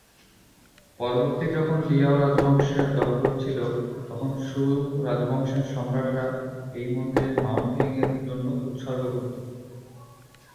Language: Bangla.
পর্বতটি যখন লিয়াও রাজবংশের দখল ছিল, তখন সুং রাজবংশের সম্রাটরা এই মন্দিরে মাউন্ট হেং-এর জন্য উত্সর্গ করতো।